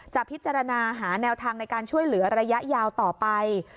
จะพิจารณาหาแนวทางในการช่วยเหลือระยะยาวต่อไป